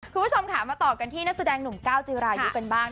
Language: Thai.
คุณผู้ชมค่ะมาต่อกันที่นักแสดงหนุ่มก้าวจีรายุกันบ้าง